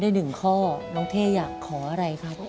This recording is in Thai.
ครั้งหนึ่งคุณแม่เล่าให้ฟังว่าคุณยายเนี่ยป่วยถึง๓วัน๓คืน